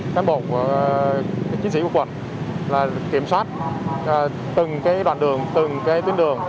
cán bộ chính sĩ của quận kiểm soát từng đoạn đường từng tuyến đường